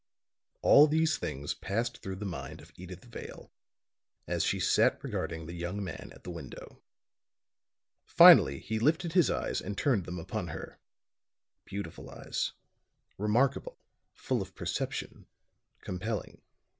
All these things passed through the mind of Edyth Vale, as she sat regarding the young man at the window. Finally he lifted his eyes and turned them upon her beautiful eyes remarkable, full of perception, compelling.